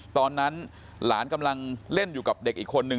ตอนนั้นหลานกำลังเล่นอยู่กับเด็กอีกคนนึง